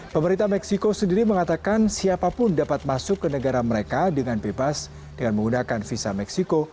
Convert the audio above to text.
pemerintah meksiko sendiri mengatakan siapapun dapat masuk ke negara mereka dengan bebas dengan menggunakan visa meksiko